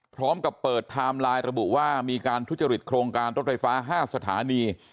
พร้อมกับเปิดไทม์ไลน์ระบุว่ามีการทุจริตโครงการรถไฟฟ้า๕สถานี